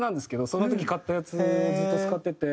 その時買ったやつをずっと使ってて。